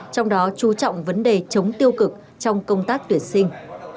trong đó chú trọng vấn đề chống tiêu cực trong công tác tuyển sinh